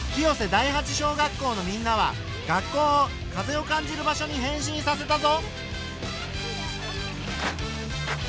第八小学校のみんなは学校を風を感じる場所に変身させたぞ。